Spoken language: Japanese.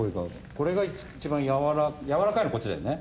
これが一番やわらかいやわらかいのこっちだよね？